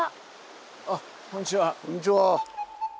あっこんにちは。